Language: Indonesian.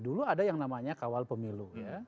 dulu ada yang namanya kawal pemilu